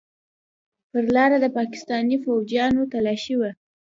پر لاره د پاکستاني فوجيانو تلاشي وه.